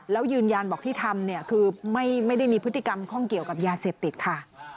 แล้วยืนยันบอกที่ทำเนี่ยคือไม่ได้มีพฤติกรรมข้องเกี่ยวกับยาเสพติดค่ะ